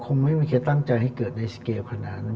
คงไม่มีใครตั้งใจให้เกิดในสเกลขนาดนั้น